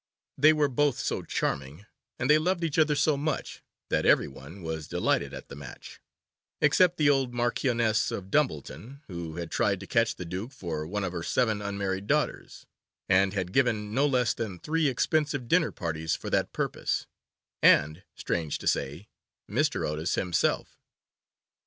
They were both so charming, and they loved each other so much, that every one was delighted at the match, except the old Marchioness of Dumbleton, who had tried to catch the Duke for one of her seven unmarried daughters, and had given no less than three expensive dinner parties for that purpose, and, strange to say, Mr. Otis himself.